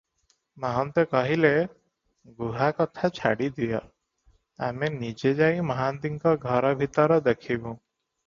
ମହନ୍ତେ କହିଲେ, "ଗୁହା କଥା ଛାଡ଼ିଦିଅ, ଆମେ ନିଜେ ଯାଇ ମହାନ୍ତିଙ୍କ ଘର ଭିତର ଦେଖିବୁଁ ।